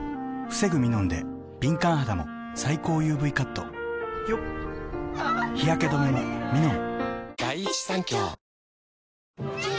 防ぐミノンで敏感肌も最高ＵＶカット日焼け止めもミノン！